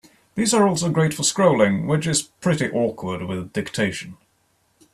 These are also great for scrolling, which is pretty awkward with dictation.